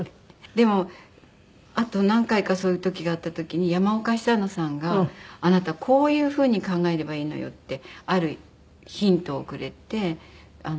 でもあと何回かそういう時があった時に山岡久乃さんが「あなたこういう風に考えればいいのよ」ってあるヒントをくれて。